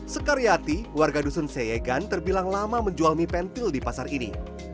sekaryati warga dusun seyegan terbilang lama menjual mie pentil di pasar ini